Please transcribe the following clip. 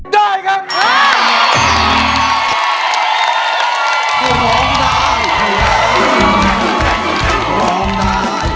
ได้ครับค่ะ